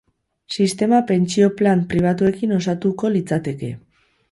Sistema pentsio plan pribatuekin osatuko litzateke.